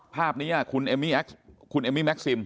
ภาพนี้คุณเอมมี่แม็กซิม